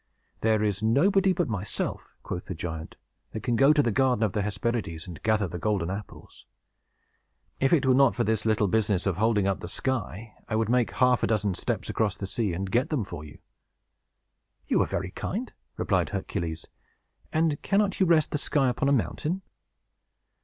"There is nobody but myself," quoth the giant, "that can go to the garden of the Hesperides, and gather the golden apples. If it were not for this little business of holding up the sky, I would make half a dozen steps across the sea, and get them for you." "You are very kind," replied Hercules. "And cannot you rest the sky upon a mountain?"